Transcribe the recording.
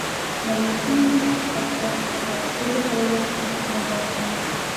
La dirección artística de todas sus obras es de Pedro G. Romero.